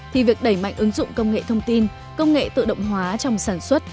thì việc đẩy mạnh ứng dụng công nghệ thông tin công nghệ tự động hóa trong sản xuất